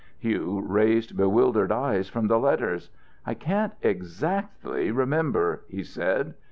Hugh raised bewildered eyes from the letters. "I can't exactly remember," he said.